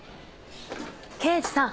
刑事さん